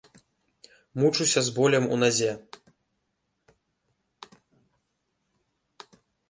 Мучуся з болем у назе.